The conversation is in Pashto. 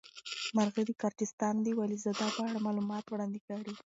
مرعشي د ګرجستان د والي زاده په اړه معلومات وړاندې کړي.